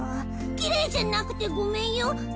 きれいじゃなくてごめんよ。